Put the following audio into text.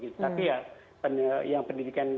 tapi ya yang pendidikan